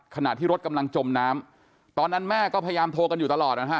ขณะที่รถกำลังจมน้ำตอนนั้นแม่ก็พยายามโทรกันอยู่ตลอดนะฮะ